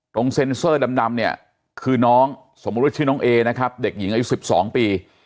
ตรงเซนเซอร์ดำคือน้องสมมุติชื่อน้องเอนะครับเด็กหญิงอายุ๑๒ปี